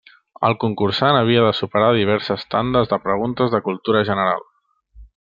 El concursant havia de superar diverses tandes de preguntes de cultura general.